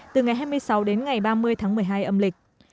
từ ngày hai mươi sáu đến ngày ba mươi tháng một mươi hai âm lịch